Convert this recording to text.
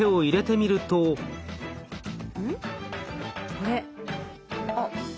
あれ？あっ。